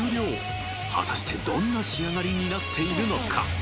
［果たしてどんな仕上がりになっているのか？］